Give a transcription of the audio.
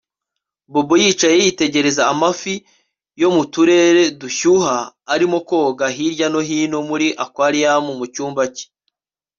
Bobo yicaye yitegereza amafi yo mu turere dushyuha arimo koga hirya no hino muri aquarium mu cyumba cye